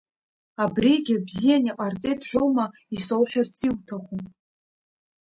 Абригьы бзианы иҟарҵеит ҳәоума исоуҳәарц иуҭаху?